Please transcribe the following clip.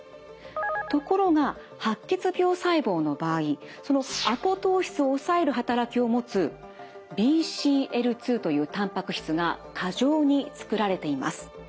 ところが白血病細胞の場合そのアポトーシスを抑える働きを持つＢＣＬ２というたんぱく質が過剰につくられています。